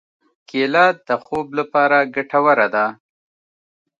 کېله د خوب لپاره ګټوره ده.